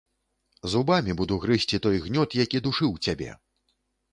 Зубамі буду грызці той гнёт, які душыў цябе!